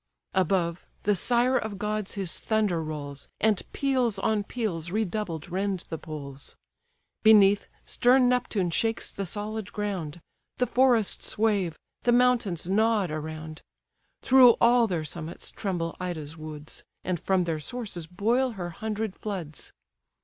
Above, the sire of gods his thunder rolls, And peals on peals redoubled rend the poles. Beneath, stern Neptune shakes the solid ground; The forests wave, the mountains nod around; Through all their summits tremble Ida's woods, And from their sources boil her hundred floods.